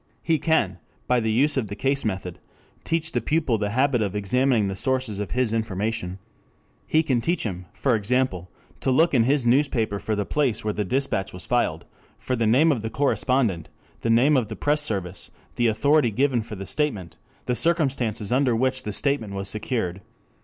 He can, by the use of the case method, teach the pupil the habit of examining the sources of his information. He can teach him, for example, to look in his newspaper for the place where the dispatch was filed, for the name of the correspondent, the name of the press service, the authority given for the statement, the circumstances under which the statement was secured.